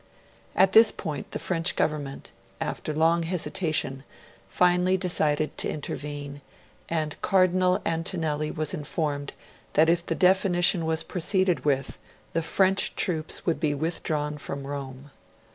At this point the French Government, after long hesitation, finally decided to intervene, and Cardinal Antonelli was informed that if the Definition was proceeded with, the French troops would be withdrawn from Rome.